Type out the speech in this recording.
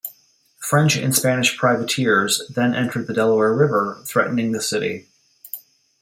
French and Spanish privateers then entered the Delaware River, threatening the city.